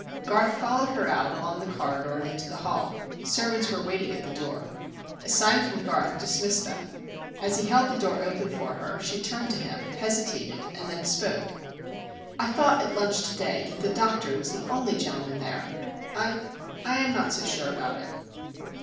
Garth followed her out, along the corridor and into the hall. Servants were waiting at the door. A sign from Garth dismissed them. As he held the door open for her, she turned to him, hesitated, and then spoke. "I thought at lunch to day that the doctor was the only gentleman there. I I am not so sure about it."